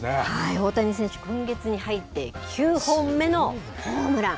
大谷選手、今月に入って９本目のホームラン。